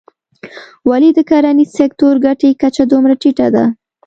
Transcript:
ولې د کرنیز سکتور ګټې کچه دومره ټیټه ده.